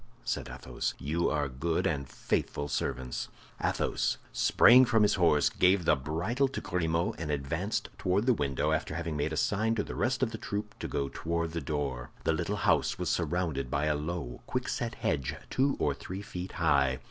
said Athos. "You are good and faithful servants." Athos sprang from his horse, gave the bridle to Grimaud, and advanced toward the window, after having made a sign to the rest of the troop to go toward the door. The little house was surrounded by a low, quickset hedge, two or three feet high.